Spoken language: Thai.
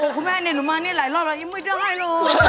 คุณแม่เนี่ยหนูมานี่หลายรอบแล้วยังไม่ได้เลย